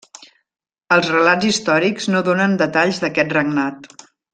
Els relats històrics no donen detalls d'aquest regnat.